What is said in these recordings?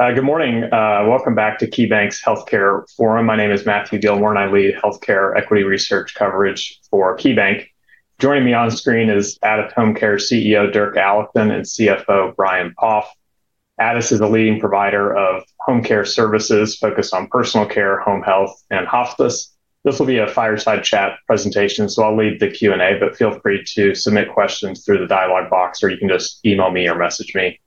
Good morning. Welcome back to KeyBanc's Healthcare Forum. My name is Matthew Gillmor, and I lead healthcare equity research coverage for KeyBanc. Joining me on screen is Addus HomeCare CEO Dirk Allison and CFO Brian Poff. Addus is a leading provider of home care services focused on personal care, home health, and hospice. This will be a fireside chat presentation, so I'll lead the Q&A, but feel free to submit questions through the dialogue box, or you can just email me or message me.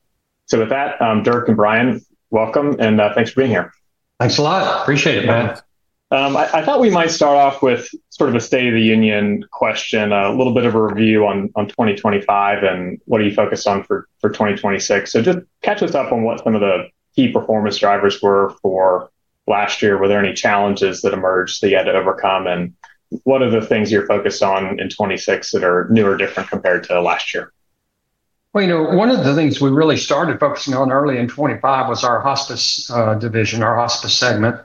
With that, Dirk and Brian, welcome, and thanks for being here. Thanks a lot. Appreciate it, Matt. I thought we might start off with sort of a state of the union question, a little bit of a review on 2025 and what are you focused on for 2026. So just catch us up on what some of the key performance drivers were for last year. Were there any challenges that emerged that you had to overcome? What are the things you're focused on in 2026 that are new or different compared to last year? Well, you know, one of the things we really started focusing on early in 2025 was our hospice division, our hospice segment.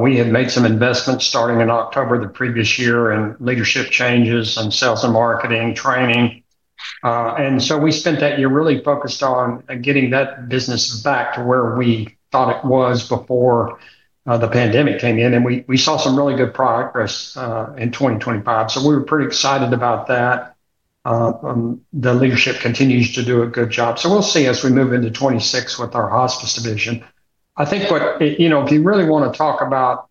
We had made some investments starting in October the previous year and leadership changes and sales and marketing, training. We spent that year really focused on getting that business back to where we thought it was before the pandemic came in. We saw some really good progress in 2025, so we were pretty excited about that. The leadership continues to do a good job. We'll see as we move into 2026 with our hospice division. I think what, you know, if you really wanna talk about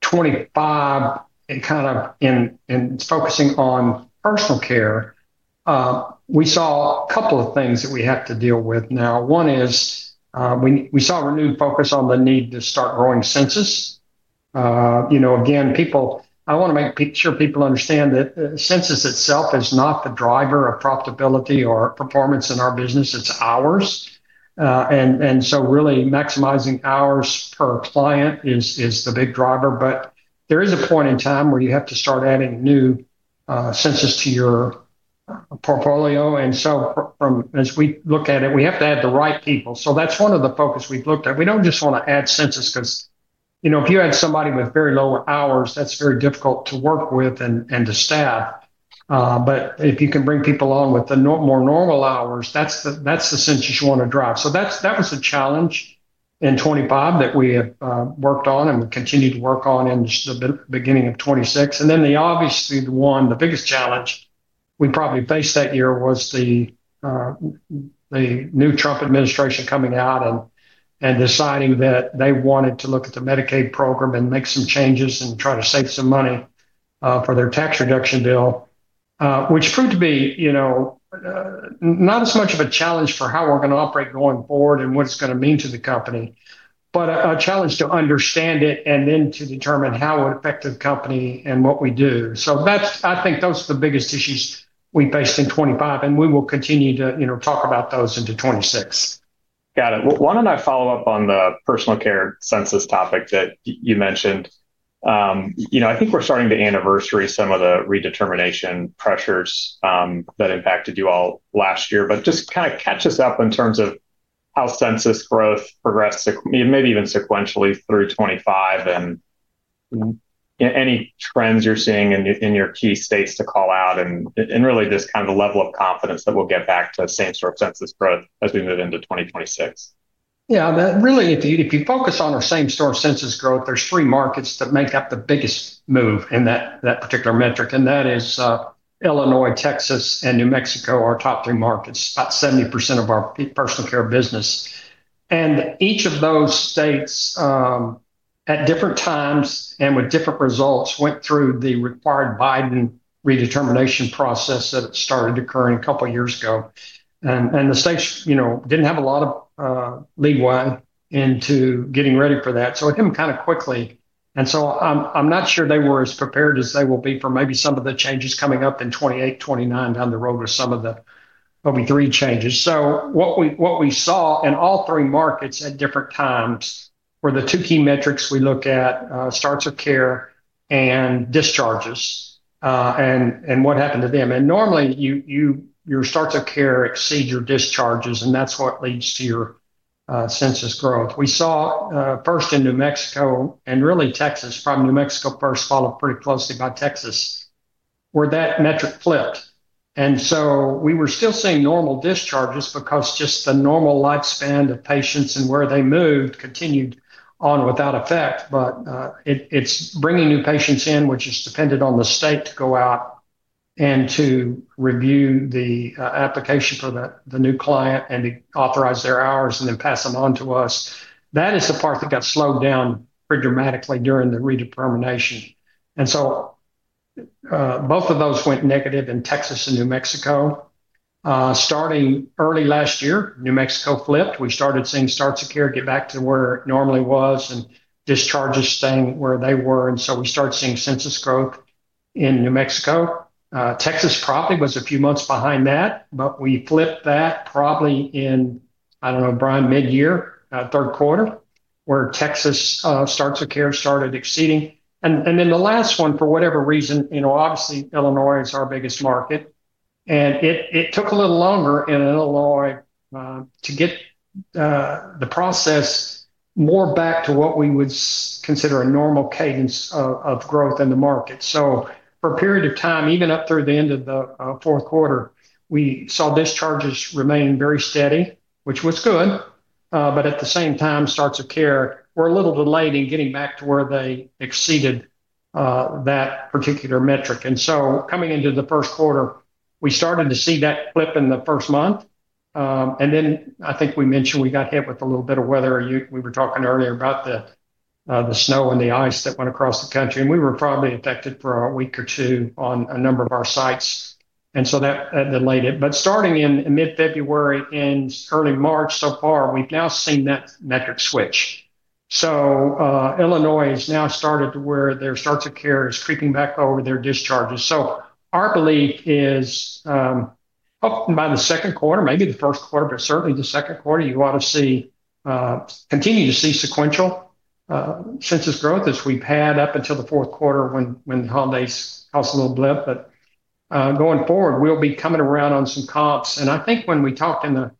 2025 and kind of in focusing on personal care, we saw a couple of things that we have to deal with now. One is, we saw a renewed focus on the need to start growing census. You know, again, I wanna make sure people understand that census itself is not the driver of profitability or performance in our business, it's hours. Really maximizing hours per client is the big driver. There is a point in time where you have to start adding new census to your portfolio. As we look at it, we have to add the right people. That's one of the focus we've looked at. We don't just wanna add census 'cause, you know, if you add somebody with very low hours, that's very difficult to work with and to staff. If you can bring people on with the more normal hours, that's the census you wanna drive. That was a challenge in 2025 that we have worked on and continued to work on in just the beginning of 2026. Then obviously the biggest challenge we probably faced that year was the new Trump administration coming out and deciding that they wanted to look at the Medicaid program and make some changes and try to save some money for their tax reduction bill. Which proved to be, you know, not as much of a challenge for how we're gonna operate going forward and what it's gonna mean to the company, but a challenge to understand it and then to determine how it affected the company and what we do. I think those are the biggest issues we faced in 2025, and we will continue to, you know, talk about those into 2026. Got it. Why don't I follow up on the personal care census topic that you mentioned. You know, I think we're starting to anniversary some of the redetermination pressures that impacted you all last year. Just kinda catch us up in terms of how census growth progressed sequentially through 2025, and any trends you're seeing in your key states to call out, and really just kind of the level of confidence that we'll get back to same-store census growth as we move into 2026. Yeah. That really if you focus on our same-store census growth, there's three markets that make up the biggest move in that particular metric, and that is, Illinois, Texas, and New Mexico are our top three markets. About 70% of our personal care business. Each of those states, at different times and with different results, went through the required Biden redetermination process that started occurring a couple years ago. The states, you know, didn't have a lot of leeway into getting ready for that. It came kinda quickly. I'm not sure they were as prepared as they will be for maybe some of the changes coming up in 2028, 2029 down the road with some of the OBRA changes. What we saw in all three markets at different times were the two key metrics we look at, starts of care and discharges, and what happened to them. Normally, your starts of care exceed your discharges, and that's what leads to your census growth. We saw first in New Mexico and really Texas, probably New Mexico first, followed pretty closely by Texas, where that metric flipped. We were still seeing normal discharges because just the normal lifespan of patients and where they moved continued on without effect. It's bringing new patients in which is dependent on the state to go out and to review the application for the new client and to authorize their hours and then pass them on to us. That is the part that got slowed down pretty dramatically during the redetermination. Both of those went negative in Texas and New Mexico. Starting early last year, New Mexico flipped. We started seeing starts of care get back to where it normally was and discharges staying where they were, and so we started seeing census growth in New Mexico. Texas probably was a few months behind that, but we flipped that probably in, I don't know, Brian, mid-year, third quarter, where Texas, starts of care started exceeding. Then the last one, for whatever reason, you know, obviously Illinois is our biggest market, and it took a little longer in Illinois to get the process more back to what we would consider a normal cadence of growth in the market. For a period of time, even up through the end of the fourth quarter, we saw discharges remain very steady, which was good. At the same time, starts of care were a little delayed in getting back to where they exceeded that particular metric. Coming into the first quarter, we started to see that flip in the first month. I think we mentioned we got hit with a little bit of weather. We were talking earlier about the snow and the ice that went across the country, and we were probably affected for a week or two on a number of our sites. That delayed it. Starting in mid-February and early March so far, we've now seen that metric switch. Illinois has now started to where their starts of care is creeping back over their discharges. Our belief is, by the second quarter, maybe the first quarter, but certainly the second quarter, you ought to see continue to see sequential census growth as we've had up until the fourth quarter when the holidays caused a little blip. Going forward, we'll be coming around on some comps. I think when we talked on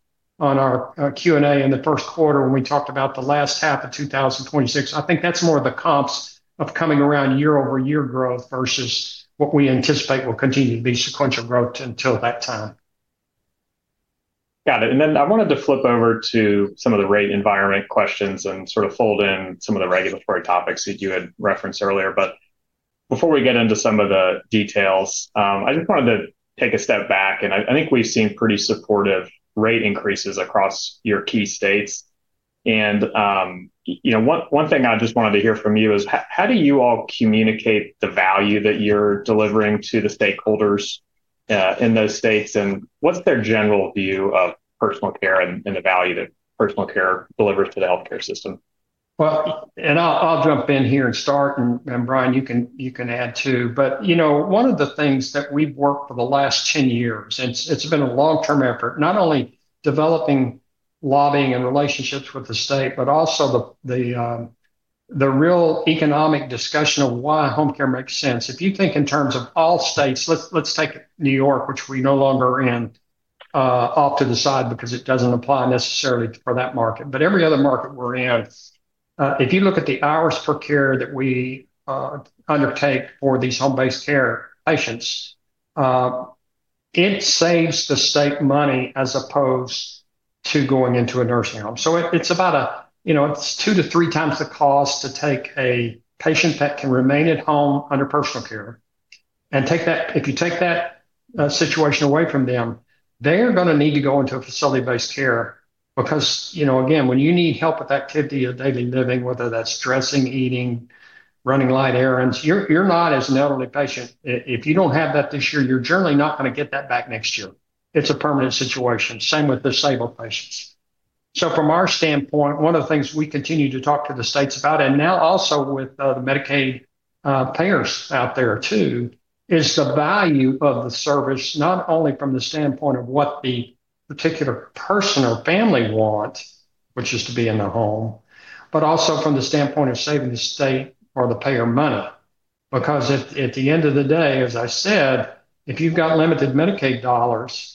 our Q&A in the first quarter, when we talked about the last half of 2026, I think that's more of the comps of coming around year-over-year growth versus what we anticipate will continue to be sequential growth until that time. Got it. Then I wanted to flip over to some of the rate environment questions and sort of fold in some of the regulatory topics that you had referenced earlier. Before we get into some of the details, I just wanted to take a step back, and I think we've seen pretty supportive rate increases across your key states. You know, one thing I just wanted to hear from you is how do you all communicate the value that you're delivering to the stakeholders in those states? What's their general view of personal care and the value that personal care delivers to the healthcare system? I'll jump in here and start, Brian, you can add too. You know, one of the things that we've worked for the last 10 years, it's been a long-term effort, not only developing lobbying and relationships with the state, but also the real economic discussion of why home care makes sense. If you think in terms of all states, let's take New York, which we're no longer in, aside because it doesn't apply necessarily for that market. Every other market we're in, if you look at the hours [procured] that we undertake for these home-based care patients, it saves the state money as opposed to going into a nursing home. It's two to 3x the cost to take a patient that can remain at home under personal care. If you take that situation away from them, they are gonna need to go into facility-based care because, you know, again, when you need help with activities of daily living, whether that's dressing, eating, running light errands, you're not, as an elderly patient, if you don't have that this year, you're generally not gonna get that back next year. It's a permanent situation. Same with disabled patients. From our standpoint, one of the things we continue to talk to the states about, and now also with the Medicaid payers out there too, is the value of the service, not only from the standpoint of what the particular person or family want, which is to be in their home, but also from the standpoint of saving the state or the payer money. Because at the end of the day, as I said, if you've got limited Medicaid dollars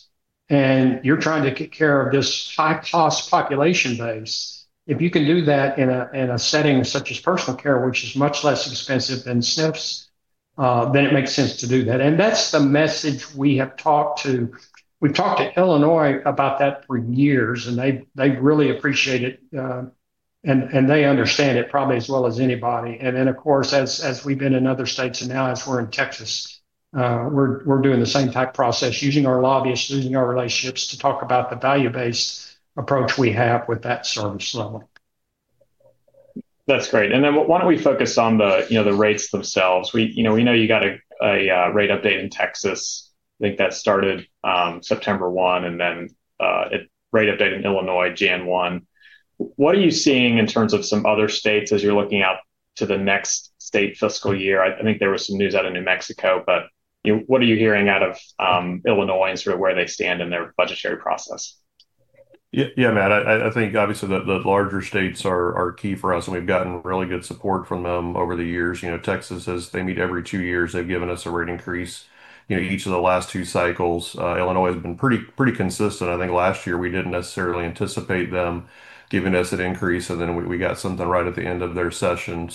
and you're trying to take care of this high-cost population base, if you can do that in a setting such as personal care, which is much less expensive than SNFs, then it makes sense to do that. That's the message we have talked to. We've talked to Illinois about that for years, and they really appreciate it, and they understand it probably as well as anybody. Then, of course, as we've been in other states and now as we're in Texas, we're doing the same type process, using our lobbyists, using our relationships to talk about the value-based approach we have with that service level. That's great. Why don't we focus on the rates themselves. We know you got a rate update in Texas, I think that started September 1, and then a rate update in Illinois, January 1. What are you seeing in terms of some other states as you're looking out to the next state fiscal year? I think there was some news out of New Mexico, but you know, what are you hearing out of Illinois and sort of where they stand in their budgetary process? Yeah, Matt, I think obviously the larger states are key for us, and we've gotten really good support from them over the years. You know, Texas, as they meet every two years, they've given us a rate increase, you know, each of the last two cycles. Illinois has been pretty consistent. I think last year we didn't necessarily anticipate them giving us an increase, and then we got something right at the end of their session.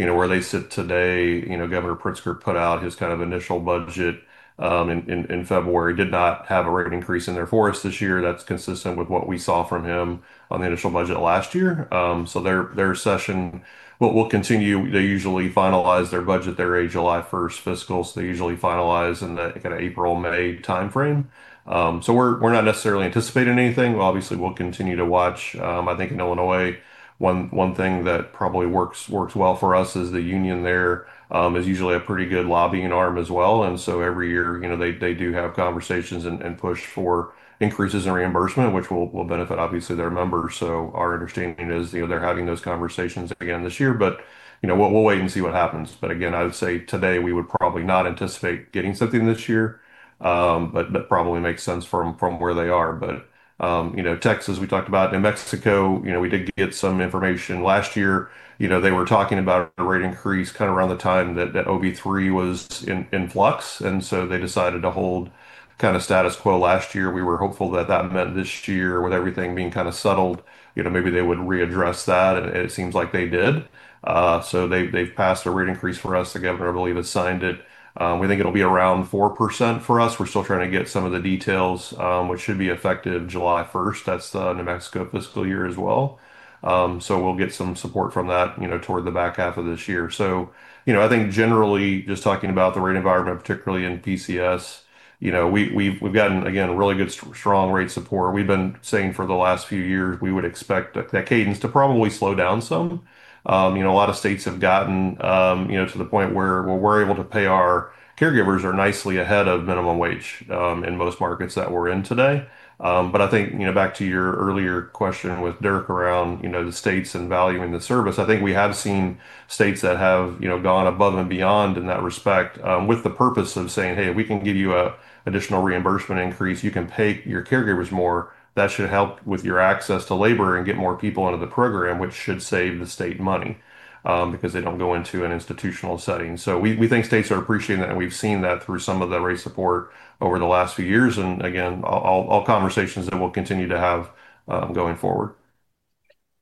You know, where they sit today, you know, Governor Pritzker put out his kind of initial budget in February, did not have a rate increase in there for us this year. That's consistent with what we saw from him on the initial budget last year. Their session, what will continue, they usually finalize their budget. They're a July first fiscal, so they usually finalize in the kinda April, May timeframe. We're not necessarily anticipating anything. Obviously, we'll continue to watch. I think in Illinois, one thing that probably works well for us is the union there is usually a pretty good lobbying arm as well. Every year, you know, they do have conversations and push for increases in reimbursement, which will benefit obviously their members. Our understanding is, you know, they're having those conversations again this year, but you know, we'll wait and see what happens. Again, I would say today we would probably not anticipate getting something this year. That probably makes sense from where they are. You know, Texas, we talked about. New Mexico, you know, we did get some information last year. You know, they were talking about a rate increase kinda around the time that OB3 was in flux, and so they decided to hold kinda status quo last year. We were hopeful that meant this year with everything being kinda settled, you know, maybe they would readdress that, and it seems like they did. They've passed a rate increase for us. The governor, I believe, has signed it. We think it'll be around 4% for us. We're still trying to get some of the details, which should be effective July first. That's the New Mexico fiscal year as well. We'll get some support from that, you know, toward the back half of this year. You know, I think generally just talking about the rate environment, particularly in PCS, you know, we've gotten, again, really good strong rate support. We've been saying for the last few years we would expect that cadence to probably slow down some. You know, a lot of states have gotten, you know, to the point where we're able to pay our caregivers nicely ahead of minimum wage, in most markets that we're in today. I think, you know, back to your earlier question with Dirk around, you know, the states and valuing the service, I think we have seen states that have, you know, gone above and beyond in that respect, with the purpose of saying, "Hey, we can give you a additional reimbursement increase. You can pay your caregivers more. That should help with your access to labor and get more people into the program, which should save the state money, because they don't go into an institutional setting. We think states are appreciating that, and we've seen that through some of the rate support over the last few years, and again, all conversations that we'll continue to have, going forward.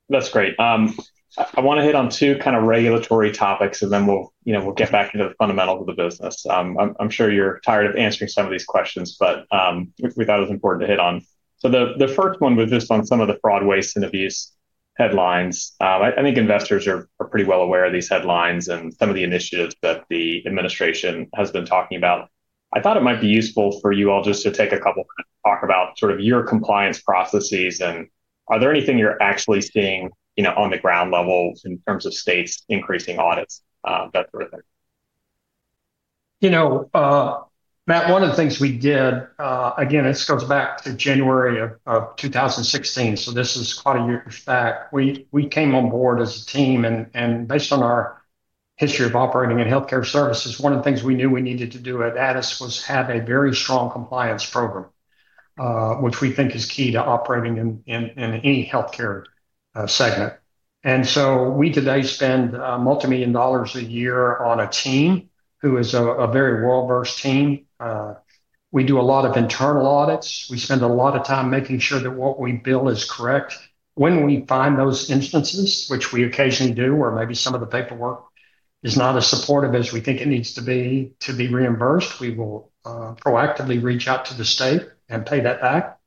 That's great. I wanna hit on two kind of regulatory topics, and then we'll get back into the fundamentals of the business. I'm sure you're tired of answering some of these questions, but we thought it was important to hit on. The first one was just on some of the fraud, waste, and abuse headlines. I think investors are pretty well aware of these headlines and some of the initiatives that the administration has been talking about. I thought it might be useful for you all just to take a couple and talk about sort of your compliance processes and are there anything you're actually seeing, you know, on the ground level in terms of states increasing audits, that sort of thing? You know, Matt, one of the things we did, again, this goes back to January of 2016, so this is quite a few years back. We came on board as a team and based on our history of operating in healthcare services, one of the things we knew we needed to do at Addus was have a very strong compliance program, which we think is key to operating in any healthcare segment. We today spend multimillion dollars a year on a team who is a very well-versed team. We do a lot of internal audits. We spend a lot of time making sure that what we bill is correct. When we find those instances, which we occasionally do, where maybe some of the paperwork is not as supportive as we think it needs to be to be reimbursed, we will proactively reach out to the state and pay that back.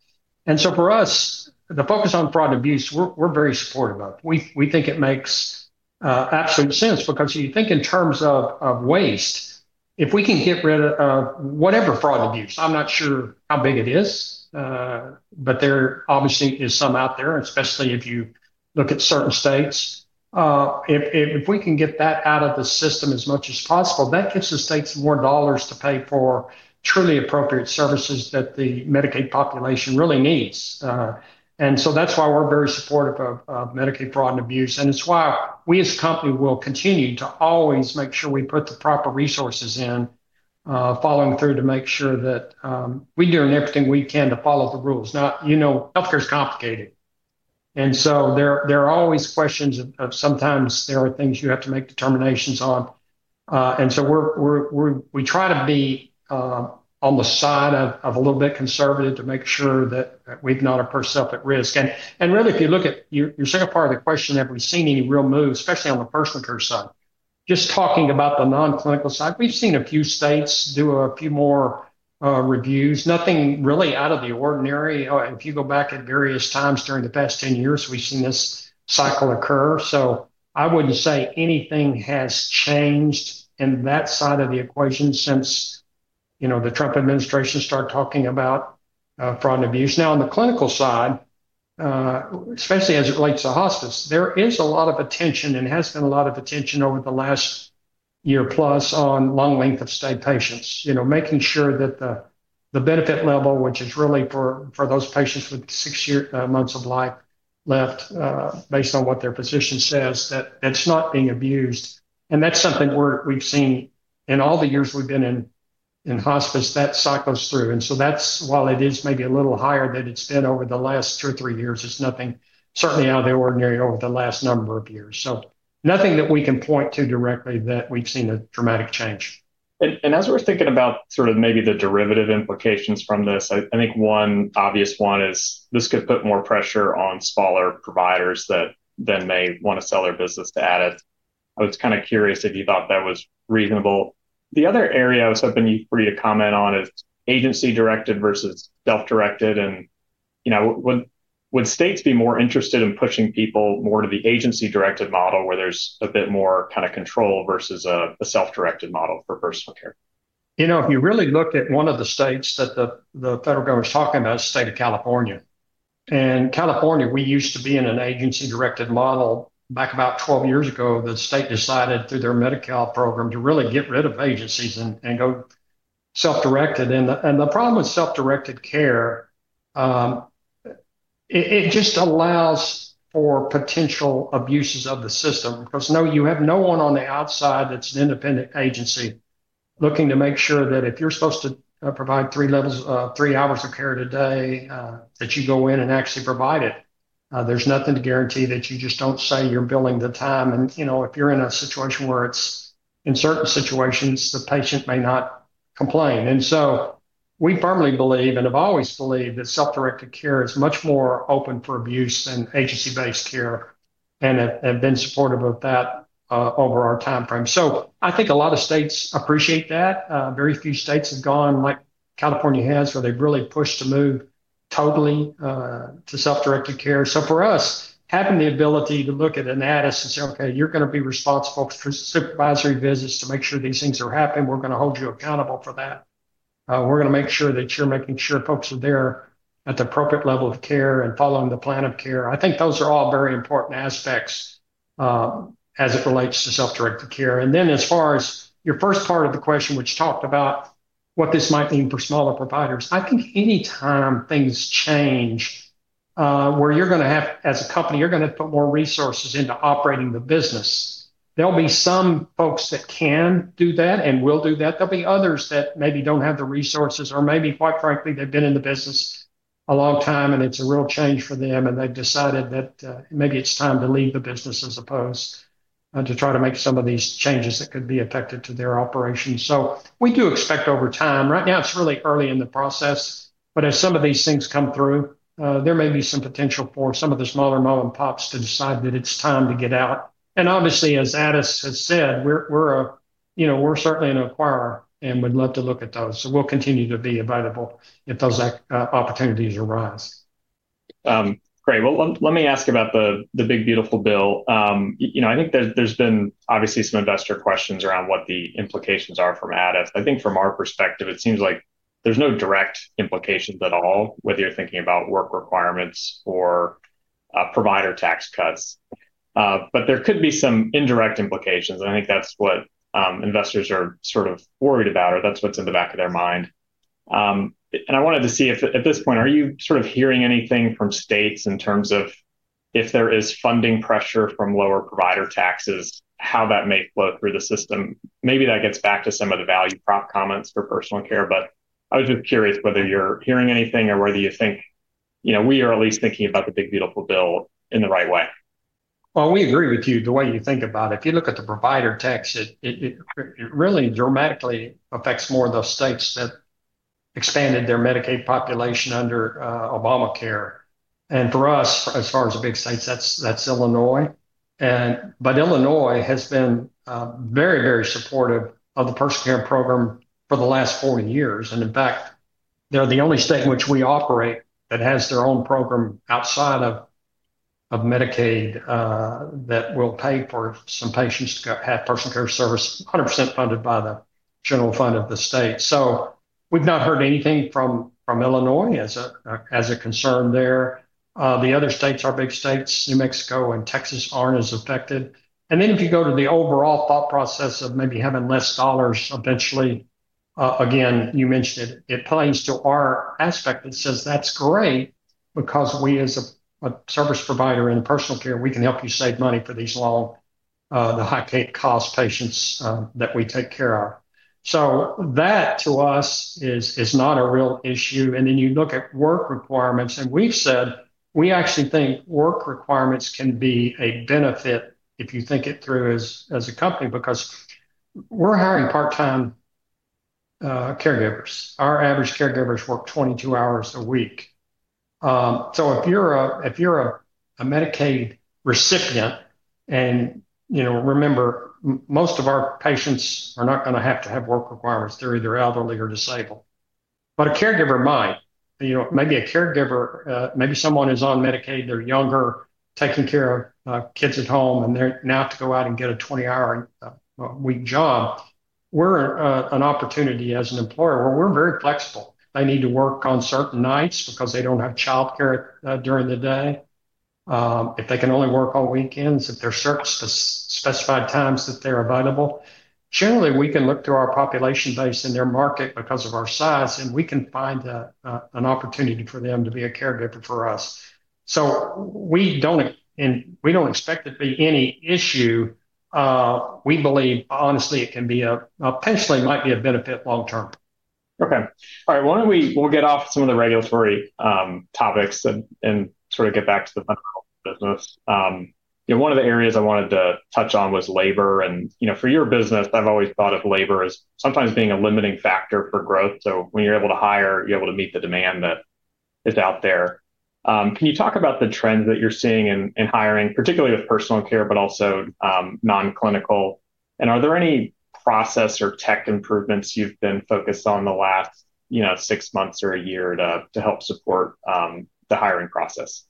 For us, the focus on fraud and abuse, we're very supportive of. We think it makes absolute sense because you think in terms of waste, if we can get rid of whatever fraud abuse, I'm not sure how big it is, but there obviously is some out there, especially if you look at certain states. If we can get that out of the system as much as possible, that gives the states more dollars to pay for truly appropriate services that the Medicaid population really needs. That's why we're very supportive of Medicaid fraud and abuse. It's why we as a company will continue to always make sure we put the proper resources in, following through to make sure that we're doing everything we can to follow the rules. Now, you know, healthcare's complicated, so there are always questions of sometimes there are things you have to make determinations on. We try to be on the side of a little bit conservative to make sure that we've not put ourself at risk. Really if you look at your second part of the question, have we seen any real moves, especially on the personal care side? Just talking about the non-clinical side, we've seen a few states do a few more reviews. Nothing really out of the ordinary. If you go back at various times during the past 10 years, we've seen this cycle occur. I wouldn't say anything has changed in that side of the equation since, you know, the Trump administration started talking about fraud and abuse. Now, on the clinical side, especially as it relates to hospice, there is a lot of attention and has been a lot of attention over the last year plus on long length of stay patients. You know, making sure that the benefit level, which is really for those patients with six months of life left, based on what their physician says, that it's not being abused. That's something we've seen in all the years we've been in hospice, that cycles through. that's, while it is maybe a little higher than it's been over the last two or three years, it's nothing certainly out of the ordinary over the last number of years. nothing that we can point to directly that we've seen a dramatic change. As we're thinking about sort of maybe the derivative implications from this, I think one obvious one is this could put more pressure on smaller providers that then may wanna sell their business to Addus. I was kinda curious if you thought that was reasonable. The other area I was hoping for you to comment on is agency-directed versus self-directed. You know, would states be more interested in pushing people more to the agency-directed model where there's a bit more kinda control versus a self-directed model for personal care? You know, if you really look at one of the states that the federal government's talking about is the state of California. In California, we used to be in an agency-directed model. Back about 12 years ago, the state decided through their Medi-Cal program to really get rid of agencies and go self-directed. The problem with self-directed care, it just allows for potential abuses of the system because now you have no one on the outside that's an independent agency looking to make sure that if you're supposed to provide three hours of care today, that you go in and actually provide it. There's nothing to guarantee that you just don't say you're billing the time and, you know, if you're in a situation where it's in certain situations, the patient may not complain. We firmly believe and have always believed that self-directed care is much more open for abuse than agency-based care and have been supportive of that over our timeframe. I think a lot of states appreciate that. Very few states have gone like California has, where they've really pushed to move totally to self-directed care. For us, having the ability to look at an Addus and say, "Okay, you're gonna be responsible for supervisory visits to make sure these things are happening. We're gonna hold you accountable for that." We're gonna make sure that you're making sure folks are there at the appropriate level of care and following the plan of care. I think those are all very important aspects as it relates to self-directed care. As far as your first part of the question, which talked about what this might mean for smaller providers, I think any time things change, where you're gonna have as a company, you're gonna put more resources into operating the business, there'll be some folks that can do that and will do that. There'll be others that maybe don't have the resources or maybe, quite frankly, they've been in the business a long time, and it's a real change for them, and they've decided that, maybe it's time to leave the business as opposed to try to make some of these changes that could be affected to their operations. We do expect over time. Right now, it's really early in the process, but as some of these things come through, there may be some potential for some of the smaller mom-and-pops to decide that it's time to get out. Obviously, as Addus has said, we're a, you know, we're certainly an acquirer and would love to look at those. We'll continue to be available if those opportunities arise. Great. Well, let me ask about the Big Beautiful Bill. You know, I think there's been obviously some investor questions around what the implications are from Addus. I think from our perspective, it seems like there's no direct implications at all, whether you're thinking about work requirements or provider tax cuts. There could be some indirect implications, and I think that's what investors are sort of worried about, or that's what's in the back of their mind. I wanted to see if at this point, are you sort of hearing anything from states in terms of if there is funding pressure from lower provider taxes, how that may flow through the system? Maybe that gets back to some of the value prop comments for personal care, but I was just curious whether you're hearing anything or whether you think, you know, we are at least thinking about the big, beautiful bill in the right way? Well, we agree with you the way you think about it. If you look at the provider tax, it really dramatically affects more of those states that expanded their Medicaid population under Obamacare. For us, as far as the big states, that's Illinois. Illinois has been very supportive of the personal care program for the last 40 years. In fact, they're the only state in which we operate that has their own program outside of Medicaid that will pay for some patients to go have personal care service 100% funded by the general fund of the state. We've not heard anything from Illinois as a concern there. The other states are big states. New Mexico and Texas aren't as affected. If you go to the overall thought process of maybe having less dollars eventually, again, you mentioned it plays to our aspect that says that's great because we as a service provider in personal care, we can help you save money for these long, the high-cost patients that we take care of. That to us is not a real issue. You look at work requirements, and we've said we actually think work requirements can be a benefit if you think it through as a company, because we're hiring part-time caregivers. Our average caregivers work 22 hours a week. If you're a Medicaid recipient and, you know, remember, most of our patients are not gonna have to have work requirements. They're either elderly or disabled. A caregiver might. You know, maybe a caregiver, maybe someone is on Medicaid, they're younger, taking care of kids at home, and they're now to go out and get a 20-hour a week job. We're an opportunity as an employer where we're very flexible. They need to work on certain nights because they don't have childcare during the day. If they can only work all weekends, if there are certain specified times that they're available. Generally, we can look to our population base in their market because of our size, and we can find an opportunity for them to be a caregiver for us. We don't expect it to be any issue. We believe, honestly, it can be potentially might be a benefit long term. Okay. All right. Why don't we get off some of the regulatory topics and sort of get back to the business. You know, one of the areas I wanted to touch on was labor. You know, for your business, I've always thought of labor as sometimes being a limiting factor for growth. When you're able to hire, you're able to meet the demand that is out there. Can you talk about the trends that you're seeing in hiring, particularly with personal care, but also non-clinical? Are there any process or tech improvements you've been focused on the last six months or a year to help support the hiring process?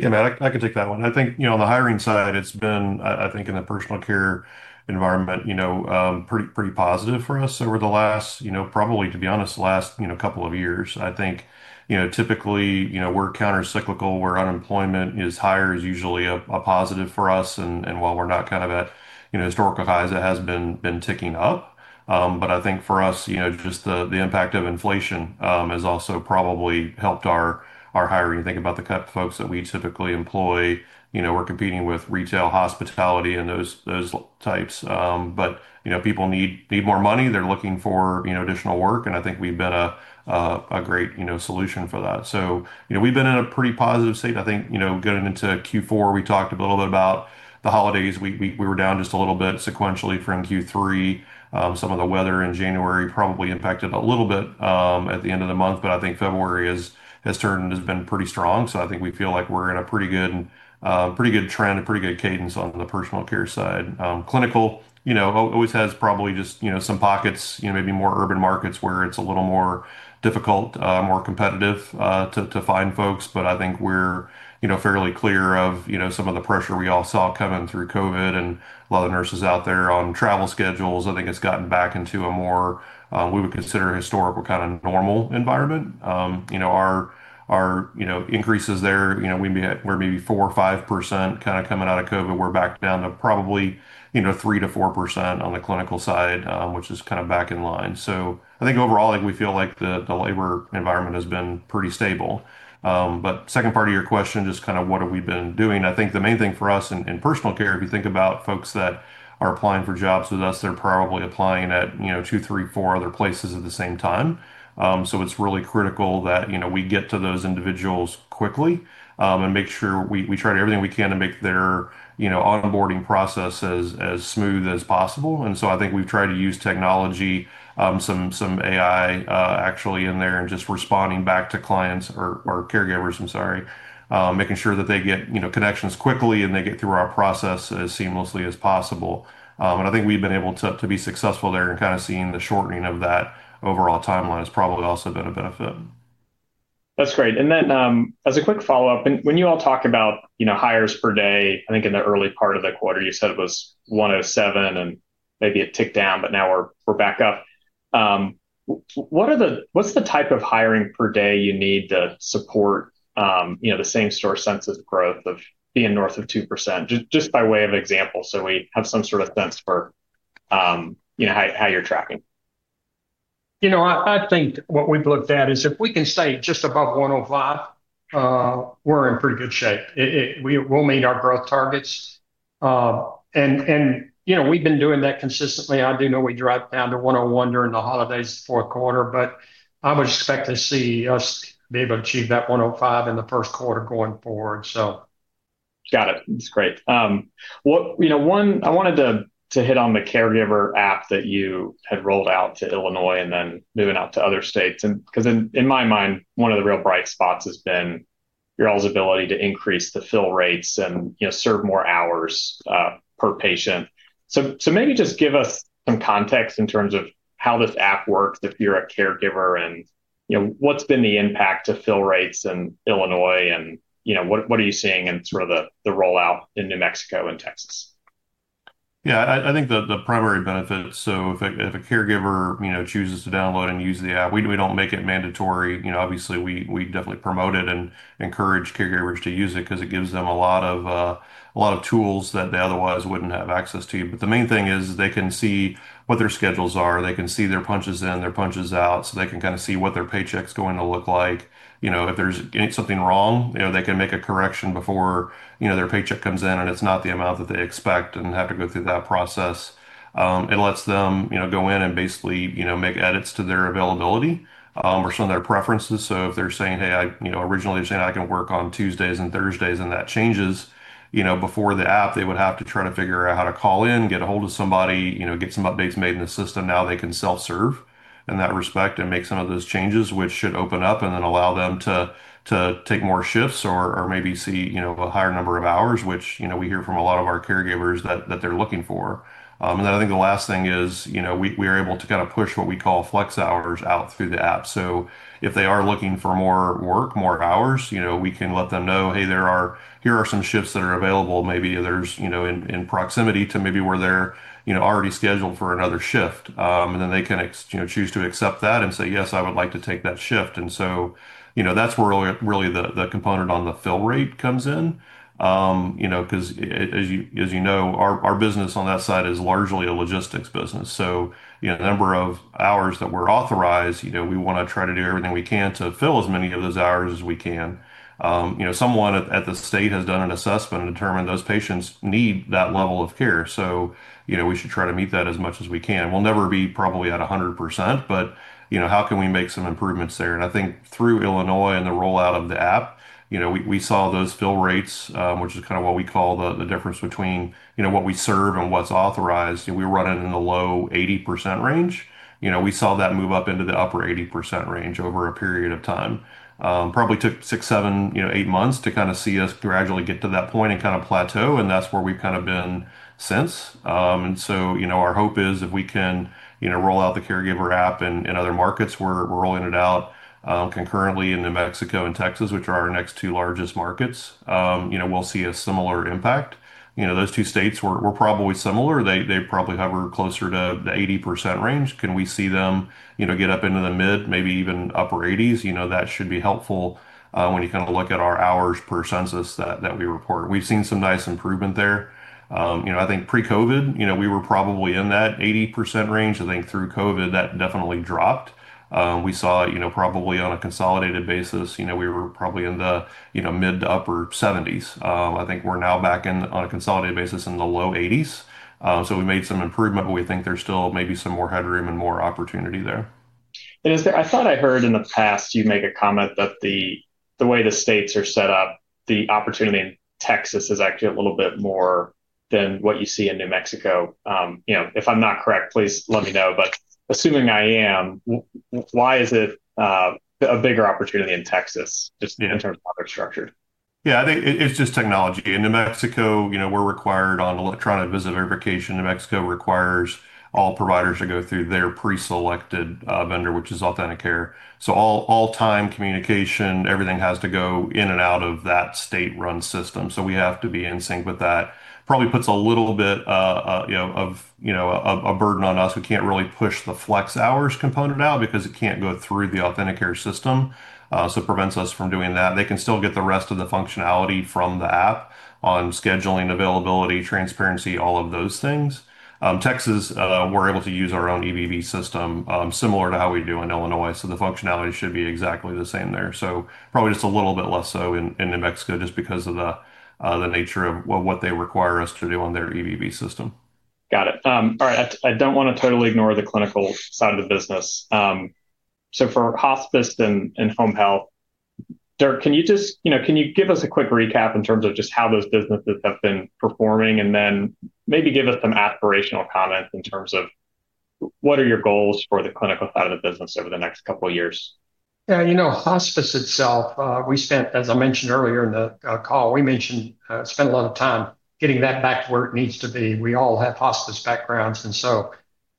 Yeah, Matt, I can take that one. I think, you know, on the hiring side, it's been, I think in the personal care environment, you know, pretty positive for us over the last, you know, probably, to be honest, couple of years. I think, you know, typically, you know, we're countercyclical, where unemployment is higher is usually a positive for us. While we're not kind of at, you know, historical highs, it has been ticking up. But I think for us, you know, just the impact of inflation has also probably helped our hiring. Think about the kind of folks that we typically employ. You know, we're competing with retail, hospitality, and those types. But, you know, people need more money. They're looking for, you know, additional work, and I think we've been a great, you know, solution for that. We've been in a pretty positive state. I think, you know, going into Q4, we talked a little bit about the holidays. We were down just a little bit sequentially from Q3. Some of the weather in January probably impacted a little bit at the end of the month. I think February has turned, has been pretty strong. I think we feel like we're in a pretty good trend, a pretty good cadence on the personal care side. Clinical, you know, always has probably just, you know, some pockets, you know, maybe more urban markets where it's a little more difficult, more competitive, to find folks. I think we're, you know, fairly clear of, you know, some of the pressure we all saw coming through COVID and a lot of nurses out there on travel schedules. I think it's gotten back into a more, we would consider historical kind of normal environment. You know, our increases there, you know, we're maybe 4% or 5% kinda coming out of COVID. We're back down to probably, you know, 3%-4% on the clinical side, which is kind of back in line. I think overall, like, we feel like the labor environment has been pretty stable. But second part of your question, just kind of what have we been doing. I think the main thing for us in personal care, if you think about folks that are applying for jobs with us, they're probably applying at, you know, two, three, four other places at the same time. It's really critical that, you know, we get to those individuals quickly and make sure we try everything we can to make their, you know, onboarding process as smooth as possible. I think we've tried to use technology, some AI, actually in there and just responding back to clients or caregivers, I'm sorry, making sure that they get, you know, connections quickly, and they get through our process as seamlessly as possible. I think we've been able to be successful there and kind of seeing the shortening of that overall timeline has probably also been a benefit. That's great. As a quick follow-up, when you all talk about, you know, hires per day, I think in the early part of the quarter you said it was 107 and maybe it ticked down, but now we're back up. What's the type of hiring per day you need to support, you know, the same-store census growth of being north of 2%? Just by way of example, so we have some sort of sense for, you know, how you're tracking. You know, I think what we've looked at is if we can stay just above 105, we're in pretty good shape. We'll meet our growth targets. You know, we've been doing that consistently. I do know we dropped down to 101 during the holidays fourth quarter, but I would expect to see us be able to achieve that 105 in the first quarter going forward so. Got it. That's great. You know, one, I wanted to hit on the caregiver app that you had rolled out to Illinois and then moving out to other states. 'Cause in my mind, one of the real bright spots has been your ability to increase the fill rates and, you know, serve more hours per patient. Maybe just give us some context in terms of how this app works if you're a caregiver and, you know, what's been the impact to fill rates in Illinois and, you know, what are you seeing in sort of the rollout in New Mexico and Texas? Yeah. I think the primary benefit, so if a caregiver you know chooses to download and use the app, we don't make it mandatory. You know, obviously, we definitely promote it and encourage caregivers to use it 'cause it gives them a lot of tools that they otherwise wouldn't have access to. The main thing is they can see what their schedules are. They can see their punches in, their punches out, so they can kinda see what their paycheck's going to look like. You know, if there's something wrong, you know, they can make a correction before their paycheck comes in and it's not the amount that they expect and have to go through that process. It lets them, you know, go in and basically, you know, make edits to their availability, or some of their preferences. So if they're saying, you know, originally they're saying, "I can work on Tuesdays and Thursdays," and that changes, you know, before the app, they would have to try to figure out how to call in, get a hold of somebody, you know, get some updates made in the system. Now they can self-serve in that respect and make some of those changes which should open up and then allow them to take more shifts or maybe see, you know, a higher number of hours which, you know, we hear from a lot of our caregivers that they're looking for. I think the last thing is, you know, we are able to kinda push what we call flex hours out through the app. If they are looking for more work, more hours, you know, we can let them know, "Hey, here are some shifts that are available." Maybe there's, you know, in proximity to maybe where they're, you know, already scheduled for another shift. They can choose to accept that and say, "Yes, I would like to take that shift." That's where really the component on the fill rate comes in, you know, 'cause as you know, our business on that side is largely a logistics business. You know, the number of hours that we're authorized, you know, we wanna try to do everything we can to fill as many of those hours as we can. You know, someone at the state has done an assessment and determined those patients need that level of care. You know, we should try to meet that as much as we can. We'll never be probably at 100%, but, you know, how can we make some improvements there? I think through Illinois and the rollout of the app, you know, we saw those fill rates, which is kinda what we call the difference between, you know, what we serve and what's authorized, you know, we were running in the low 80% range. You know, we saw that move up into the upper 80% range over a period of time. Probably took six, seven, you know, eight months to kinda see us gradually get to that point and kinda plateau, and that's where we've kinda been since. Our hope is if we can, you know, roll out the caregiver app in other markets. We're rolling it out concurrently in New Mexico and Texas, which are our next two largest markets, you know, we'll see a similar impact. You know, those two states were probably similar. They probably hover closer to the 80% range. Can we see them, you know, get up into the mid, maybe even upper 80s? You know, that should be helpful when you kinda look at our hours per census that we report. We've seen some nice improvement there. I think pre-COVID, you know, we were probably in that 80% range. I think through COVID, that definitely dropped. We saw, you know, probably on a consolidated basis, you know, we were probably in the mid- to upper 70s. I think we're now back in, on a consolidated basis, in the low 80s. So we made some improvement, but we think there's still maybe some more headroom and more opportunity there. I thought I heard in the past you make a comment that the way the states are set up, the opportunity in Texas is actually a little bit more than what you see in New Mexico. You know, if I'm not correct, please let me know. Assuming I am, why is it a bigger opportunity in Texas just in terms of how they're structured? Yeah. I think it's just technology. In New Mexico, you know, we're required on electronic visit verification. New Mexico requires all providers to go through their preselected vendor, which is AuthentiCare. So all time communication, everything has to go in and out of that state-run system. So we have to be in sync with that. Probably puts a little bit, you know, of a burden on us. We can't really push the flex hours component out because it can't go through the AuthentiCare system, so it prevents us from doing that. They can still get the rest of the functionality from the app on scheduling, availability, transparency, all of those things. Texas, we're able to use our own EVV system, similar to how we do in Illinois, so the functionality should be exactly the same there. Probably just a little bit less so in New Mexico just because of the nature of what they require us to do on their EVV system. Got it. All right. I don't wanna totally ignore the clinical side of the business. So for hospice and home health, Dirk, you know, can you give us a quick recap in terms of just how those businesses have been performing? Then maybe give us some aspirational comments in terms of what are your goals for the clinical side of the business over the next couple of years? Yeah. You know, hospice itself, as I mentioned earlier in the call, we spent a lot of time getting that back to where it needs to be. We all have hospice backgrounds, and so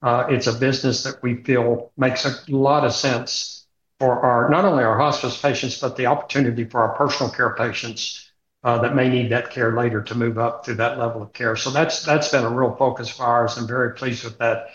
it's a business that we feel makes a lot of sense for our not only our hospice patients, but the opportunity for our personal care patients that may need that care later to move up to that level of care. So that's been a real focus of ours. I'm very pleased with that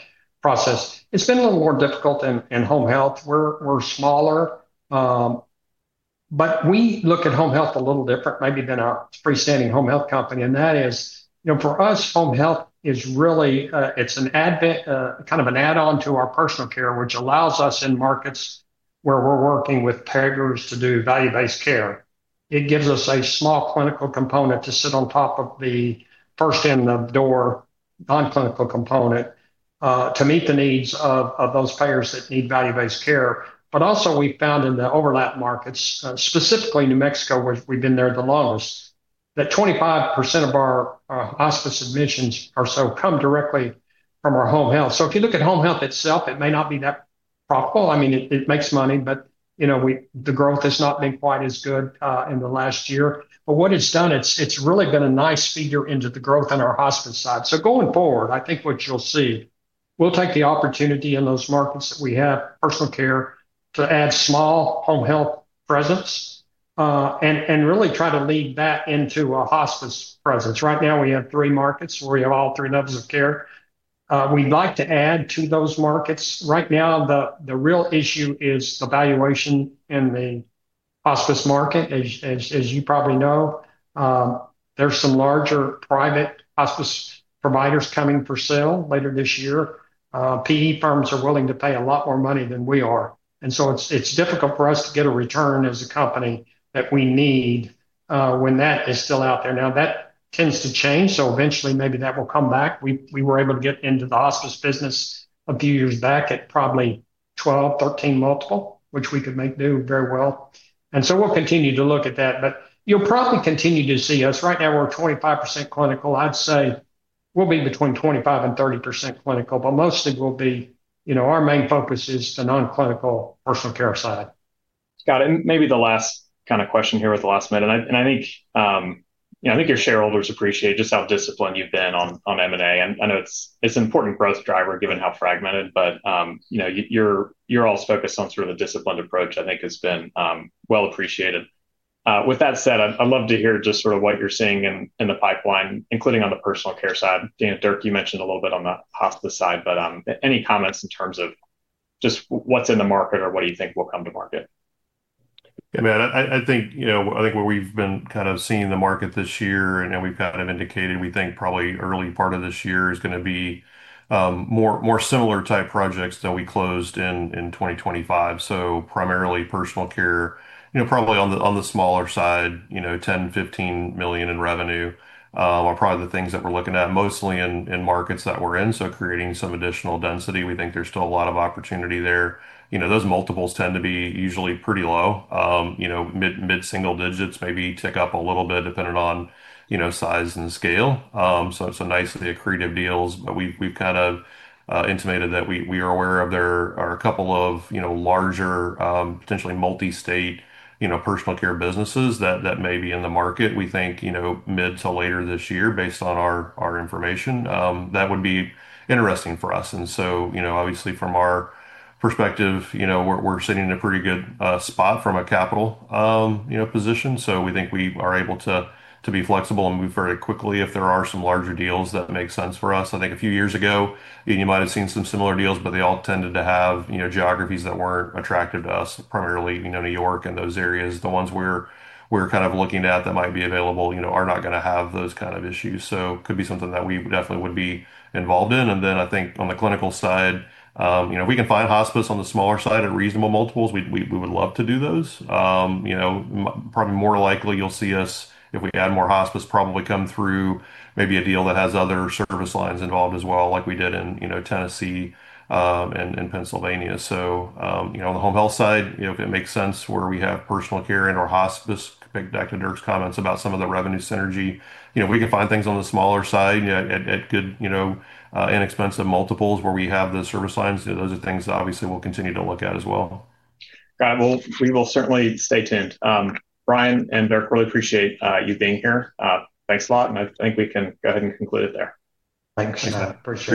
process. It's been a little more difficult in home health. We're smaller, but we look at home health a little different maybe than our freestanding home health company. That is, you know, for us, home health is really kind of an add-on to our personal care, which allows us in markets where we're working with payers to do value-based care. It gives us a small clinical component to sit on top of the first in the door non-clinical component to meet the needs of those payers that need value-based care. But also we found in the overlap markets, specifically New Mexico, where we've been there the longest, that 25% of our hospice admissions or so come directly from our home health. If you look at home health itself, it may not be that profitable. I mean, it makes money, but, you know, the growth has not been quite as good in the last year. What it's done, it's really been a nice feeder into the growth on our hospice side. Going forward, I think what you'll see, we'll take the opportunity in those markets that we have personal care to add small home health presence, and really try to lead that into a hospice presence. Right now, we have three markets where we have all three levels of care. We'd like to add to those markets. Right now, the real issue is the valuation in the hospice market. As you probably know, there's some larger private hospice providers coming up for sale later this year. PE firms are willing to pay a lot more money than we are, and so it's difficult for us to get a return as a company that we need, when that is still out there. Now, that tends to change, so eventually maybe that will come back. We were able to get into the hospice business a few years back at probably 12, 13 multiple, which we could make do very well. We'll continue to look at that. You'll probably continue to see us. Right now, we're at 25% clinical. I'd say we'll be between 25% and 30% clinical, but mostly we'll be, you know, our main focus is the non-clinical personal care side. Got it. Maybe the last kind of question here with the last minute. I think, you know, I think your shareholders appreciate just how disciplined you've been on M&A. I know it's an important growth driver given how fragmented. You know, you're always focused on sort of the disciplined approach, I think has been well appreciated. With that said, I'd love to hear just sort of what you're seeing in the pipeline, including on the personal care side. Brian, Dirk, you mentioned a little bit on the hospice side, but any comments in terms of just what's in the market or what do you think will come to market? Yeah, man, I think, you know, I think where we've been kind of seeing the market this year and we've kind of indicated we think probably early part of this year is gonna be more similar type projects than we closed in 2025. Primarily personal care, you know, probably on the smaller side, you know, $10 million-$15 million in revenue are probably the things that we're looking at mostly in markets that we're in. Creating some additional density. We think there's still a lot of opportunity there. You know, those multiples tend to be usually pretty low, you know, mid-single digits, maybe tick up a little bit depending on, you know, size and scale. It's a nicely accretive deals. We've kind of intimated that we are aware of there are a couple of, you know, larger, potentially multi-state, you know, personal care businesses that may be in the market. We think, you know, mid till later this year based on our information, that would be interesting for us. You know, obviously from our perspective, you know, we're sitting in a pretty good spot from a capital, you know, position. We think we are able to be flexible and move very quickly if there are some larger deals that make sense for us. I think a few years ago, you might have seen some similar deals, but they all tended to have, you know, geographies that weren't attractive to us, primarily, you know, New York and those areas. The ones we're kind of looking at that might be available, you know, are not gonna have those kind of issues. Could be something that we definitely would be involved in. I think on the clinical side, you know, if we can find hospice on the smaller side at reasonable multiples, we would love to do those. You know, probably more likely you'll see us if we add more hospice, probably come through maybe a deal that has other service lines involved as well like we did in, you know, Tennessee, and Pennsylvania. You know, on the home health side, you know, if it makes sense where we have personal care and/or hospice, back to Dirk's comments about some of the revenue synergy. You know, if we can find things on the smaller side at good, you know, inexpensive multiples where we have those service lines, those are things that obviously we'll continue to look at as well. Got it. We will certainly stay tuned. Brian and Dirk, really appreciate you being here. Thanks a lot, and I think we can go ahead and conclude it there. Thanks. Appreciate it.